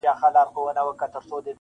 قرباني بې وسه پاتې کيږي تل-